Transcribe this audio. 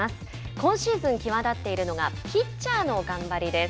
今シーズン際立っているのがピッチャーの頑張りです。